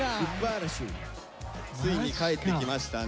ついに帰ってきましたね。